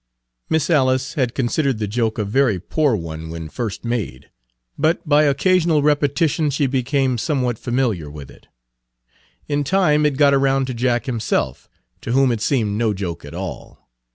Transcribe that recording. Page 102 Miss Alice had considered the joke a very poor one when first made, but by occasional repetition she became somewhat familiar with it. In time it got around to Jack himself, to whom it seemed no joke at all.